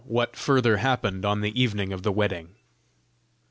WHAT FURTHER HAPPENED ON THE EVENING OF THE WEDDING.